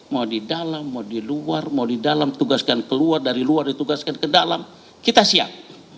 mau di dalam mau di luar mau di dalam tugaskan keluar dari luar ditugaskan ke dalam kita siap